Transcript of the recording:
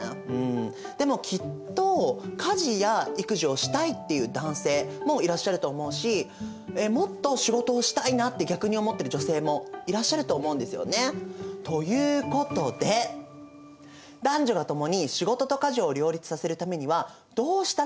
でもきっと「家事や育児をしたい」っていう男性もいらっしゃると思うし「もっと仕事をしたいな」って逆に思ってる女性もいらっしゃると思うんですよね。ということで「男女がともに仕事と家事を両立させるためにはどうしたらいいのか」